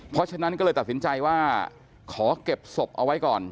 เพราะฉะนั้นก็เลยตัดสินใจว่าขอเก็บศพเอาไว้ก่อน